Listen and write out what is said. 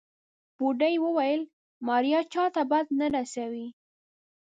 بوډۍ وويل ماريا چاته بد نه رسوي.